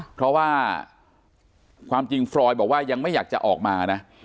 เพราะว่าความจริงฟรอยบอกว่ายังไม่อยากจะออกมานะ